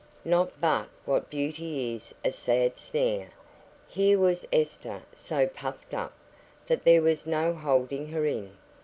Not but what beauty is a sad snare. Here was Esther so puffed up, that there was no holding her in.